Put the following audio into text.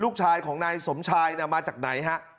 ลูกชายของนายสมชายมาจากไหนฮะ